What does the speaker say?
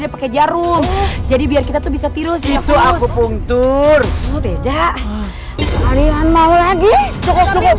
dia pakai jarum jadi biar kita tuh bisa tirus itu aku pungtur beda kalian mau lagi cukup cukup